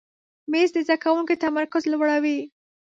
مېز د زده کوونکي تمرکز لوړوي.